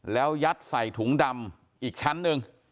แล้วยัดใส่ถุงดำอีกชั้นหนึ่ง